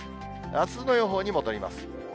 あすの予報に戻ります。